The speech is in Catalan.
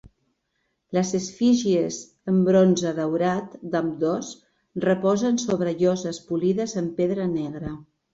Les efígies en bronze daurat d'ambdós reposen sobre lloses polides en pedra negra.